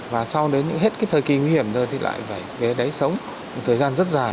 và sau đến hết cái thời kỳ nguy hiểm rồi thì lại phải ghé đấy sống một thời gian rất dài